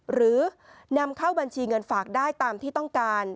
หรือนำเข้าบัญชีเงินฝากได้ตามที่ต้องการ